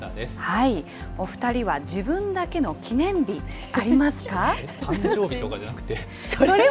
お２人は自分だけの記念日、誕生日とかじゃなくて？